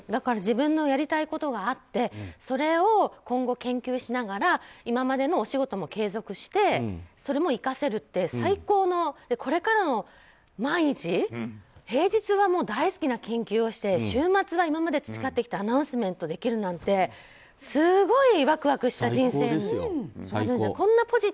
自分のやりたいことがあってそれを今後研究しながら今までのお仕事も継続してそれも生かせるって最高のこれからの毎日平日は大好きな研究をして週末は今まで培ってきたアナウンスメントができるなんてすごい、ワクワクした人生になるんじゃないかなと。